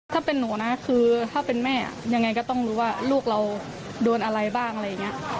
ถ้าเป็นหนูนะคือถ้าเป็นแม่ยังไงก็ต้องรู้ว่าลูกเราโดนอะไรบ้างอะไรอย่างนี้